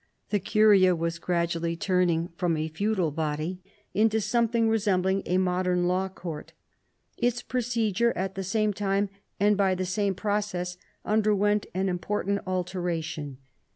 The curia was gradu ally turning from a feudal body into something resembling a modern law court. Its procedure at the same time, and by the same process, underwent an important alteration.